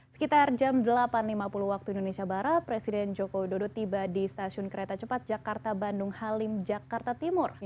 sekitar jam delapan lima puluh waktu indonesia barat presiden joko widodo tiba di stasiun kereta cepat jakarta bandung halim jakarta timur